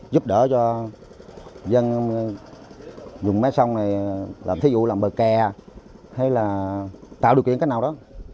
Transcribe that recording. giúp đỡ cho dân dùng máy sông này làm thí dụ làm bờ kè hay là tạo điều kiện cái nào đó